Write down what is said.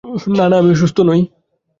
না, না, আমি অসুস্থ নই।